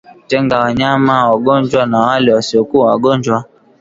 Tenga wanyama wagonjwa na wale wasiokuwa wagonjwa